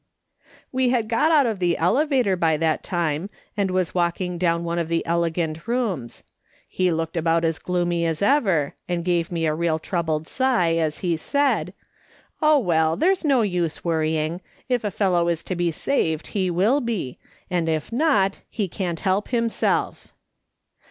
" We had got out of the elevator by that time, and was walking down one of the elegant rooms. He looked about as gloomy as ever, and he gave a real troubled sigh as he said :"' Oh, well, there's no use worrying ; if a fellow is to be saved he will be ; and if not, he can't help himself.'